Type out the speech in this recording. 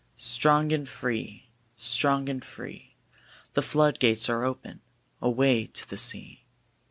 Strong and free, strong and free, The floodgates are open, away to the sea.